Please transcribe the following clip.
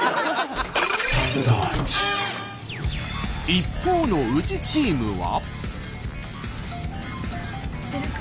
一方の宇治チームは。